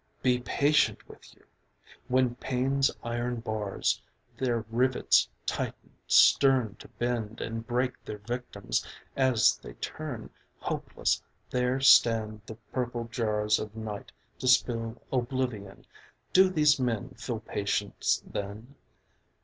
Be patient with you? When pain's iron bars Their rivets tighten, stern To bend and break their victims; as they turn, Hopeless, there stand the purple jars Of night to spill oblivion. Do these men Feel patience then?